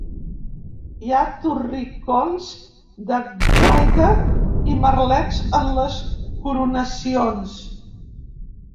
Hi ha torricons de guaita i merlets en les coronacions.